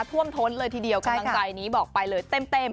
ท่วมท้นเลยทีเดียวกำลังใจนี้บอกไปเลยเต็ม